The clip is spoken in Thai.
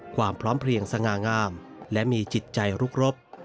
ความพร้อมเพลียงสง่างามและมีจิตใจรุกรบ